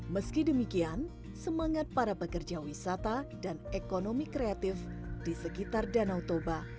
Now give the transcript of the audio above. meski demikian semangat para pekerja wisata dan ekonomi kreatif di sekitar danau toba